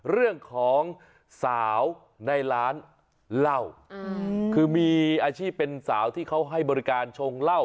เรื่องของสาวในร้านเหล้าคือมีอาชีพเป็นสาวที่เขาให้บริการชงเหล้า